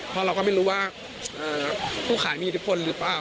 เพราะเราก็ไม่รู้ว่าผู้ขายมีอิทธิพลหรือเปล่า